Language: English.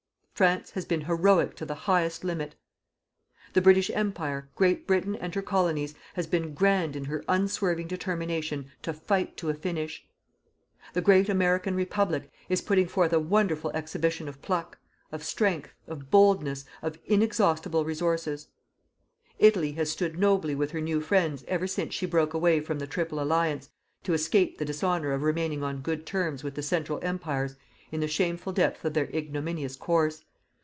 France has been heroic to the highest limit. The British Empire Great Britain and her Colonies has been grand in her unswerving determination to fight to a finish. The great American Republic is putting forth a wonderful exhibition of pluck, of strength, of boldness, of inexhaustible resources. Italy has stood nobly with her new friends ever since she broke away from the Triple Alliance, to escape the dishonour of remaining on good terms with the Central Empires in the shameful depth of their ignominious course.